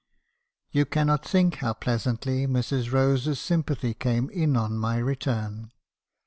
"You cannot think how pleasantly Mrs. Rose's sympathy came in on my return.